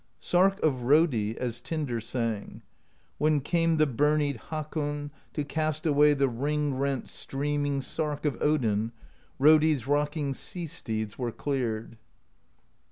Sark of Rodi, as Tindr sang: When came the birnied Hakon To cast away the ring rent Streaming Sark of Odin, Rodi's rocking sea steeds were cleared.